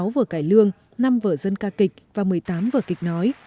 sáu vở cải lương năm vở dân ca kịch và một mươi tám vở kịch nói